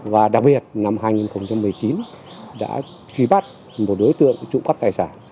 và đặc biệt năm hai nghìn một mươi chín đã truy bắt một đối tượng trụ cấp tài sản